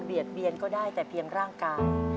เบียนก็ได้แต่เพียงร่างกาย